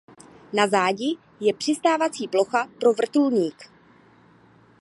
Na zádi je přistávací plocha pro vrtulník.